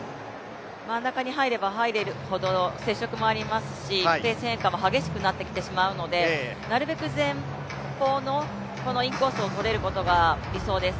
真ん中に入れば入るほど接触もありますし、ペース変化も激しくなってきてしまうので、なるべく前方のインコースがとれることが理想です。